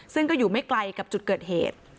ซึ่งก็อยู่ไม่ไกลกับจุดเกิดเหตุ